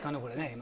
今。